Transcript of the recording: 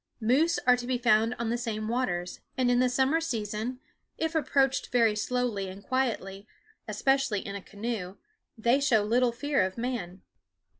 Moose are to be found on the same waters, and in the summer season, if approached very slowly and quietly, especially in a canoe, they show little fear of man.